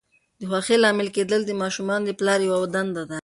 د خوښۍ لامل کېدل د ماشومانو د پلار یوه دنده ده.